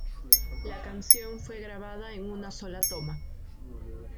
La canción fue grabada en una sola toma.